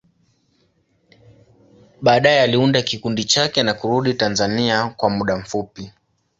Baadaye, aliunda kikundi chake na kurudi Tanzania kwa muda mfupi.